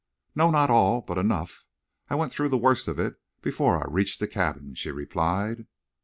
"No, not all. But enough. I went through the worst of it before I reached the cabin," she replied.